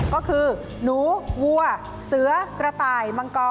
ก็คือหนูวัวเสือกระต่ายมังกร